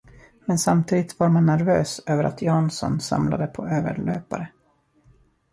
Men samtidigt var man nervös över att Jansson samlade på överlöpare.